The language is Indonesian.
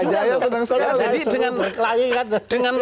pak jayo senang sekali langsung berkelahi kan